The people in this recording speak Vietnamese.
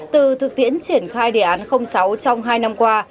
từ thực tiễn triển khai đề án sáu trong hai năm qua